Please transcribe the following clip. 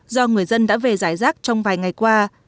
do người dân đã về giải rác trong vài ngày qua